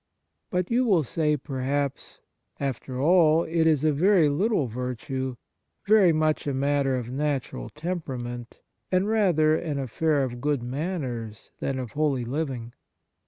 '" But you will say perhaps :' After all, it is a very little virtue, very much a matter of natural temperament, and rather an affair of good manners than of holy living.'